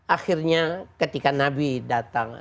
akhirnya ketika nabi datang